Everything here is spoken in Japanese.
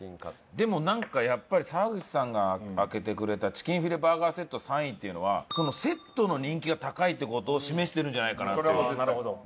でもなんかやっぱり沢口さんが開けてくれたチキンフィレバーガーセット３位っていうのはセットの人気が高いって事を示してるんじゃないかなっていう。